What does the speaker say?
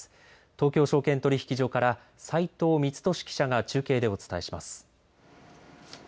東京証券取引所から斉藤光峻記者が中継でお伝えします。